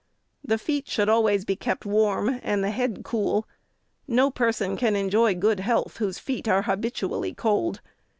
The feet should always be kept warm and the head cool. No person can enjoy good health whose feet are habitually cold.